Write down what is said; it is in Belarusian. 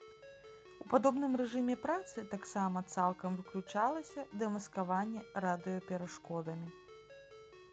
У падобным рэжыме працы таксама цалкам выключалася дэмаскаванне радыёперашкодамі.